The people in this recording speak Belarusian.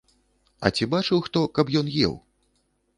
А ці бачыў хто, каб ён еў?